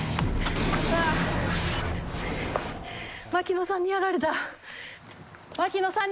槙野さんにやられた。